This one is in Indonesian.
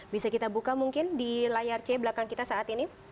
bisa kita buka mungkin di layar c belakang kita saat ini